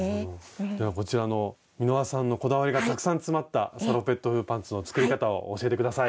ではこちらの美濃羽さんのこだわりがたくさん詰まったサロペット風パンツの作り方を教えて下さい。